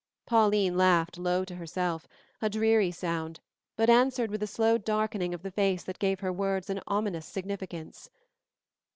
Pauline laughed low to herself, a dreary sound, but answered with a slow darkening of the face that gave her words an ominous significance.